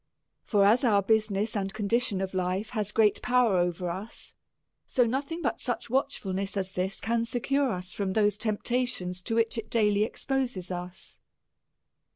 For as our business and condition of life has great power over us, so no thing but such watchfulness as this, can secure us from those temptations to which it daily exposes us.